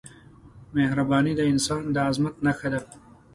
مهرباني د انسان د عظمت نښه ده.